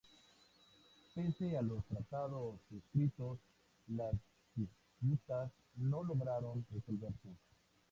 Pese a los tratados suscritos, las disputas no lograron resolverse.